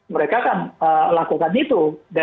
mereka kan lakukan itu